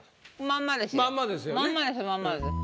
まんまです。